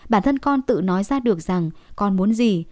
bản thân con tự nói ra được rằng con muốn gì